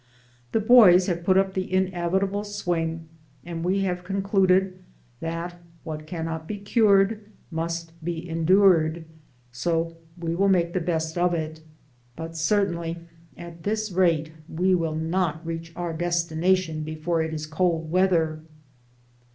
The boys have put up the inevitable swing, and we have concluded "that what cannot be cured must be endured." So we will make the best of it, but certainly at this rate we will not reach our destination before it is cold weather.